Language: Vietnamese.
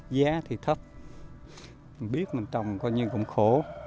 giá thì thấp biết mình trồng coi như cũng khổ